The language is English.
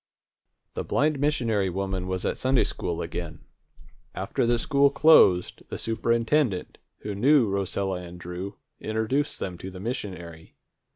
The blind missionary woman was at Sunday school again. After the school closed, the superintendent, who knew Rosella and Drew, introduced them to the missionary.